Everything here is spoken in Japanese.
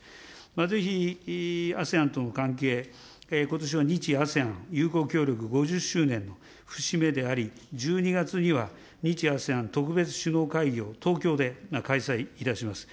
ぜひ、ＡＳＥＡＮとの関係、ことしは日ＡＳＥＡＮ友好協力５０周年の節目であり、１２月には日ＡＳＥＡＮ特別首脳会議を東京で開催いたします。